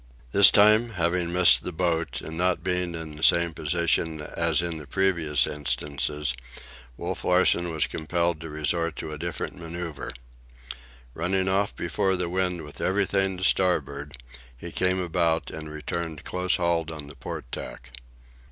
This time, having missed the boat, and not being in the same position as in the previous instances, Wolf Larsen was compelled to resort to a different manœuvre. Running off before the wind with everything to starboard, he came about, and returned close hauled on the port tack.